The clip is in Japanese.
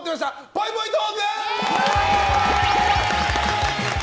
ぽいぽいトーク。